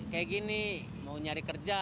kayak gini mau nyari kerja